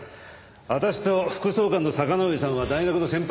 私と副総監の坂之上さんは大学の先輩後輩でね。